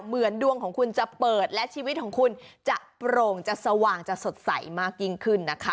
ดวงของคุณจะเปิดและชีวิตของคุณจะโปร่งจะสว่างจะสดใสมากยิ่งขึ้นนะคะ